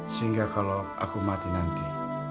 sehingga kalau aku mati nanti